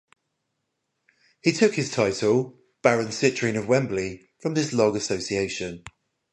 He took his title, Baron Citrine of Wembley from this long association.